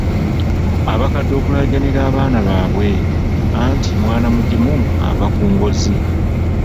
Abakadde okulagajjalira abaana baabwe, anti mwana mugimu ava ku ngozi.